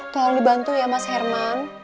selalu dibantu ya mas herman